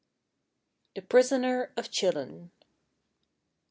THE PRISONER OF CHILLON.